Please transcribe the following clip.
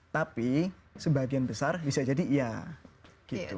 tapi sebagian besar bisa jadi iya gitu